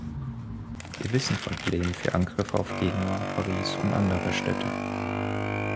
Wir wissen von Plänen für Angriffe auf Genua, Paris und andere Städte.